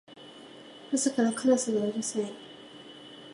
朝からカラスがうるさい